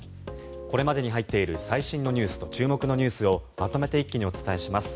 これまでに入っている最新ニュースと注目ニュースをまとめて一気にお伝えします。